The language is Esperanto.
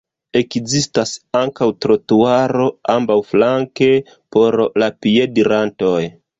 Ekzistas ankaŭ trotuaro ambaŭflanke por la piedirantoj.